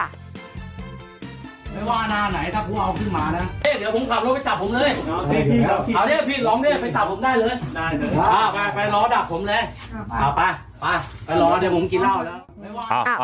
ไม่ว่านานไหนถ้าพวกเขาคือหมาน่ะเอ๊ะเดี๋ยวผมขับโรคไปจับผมเลย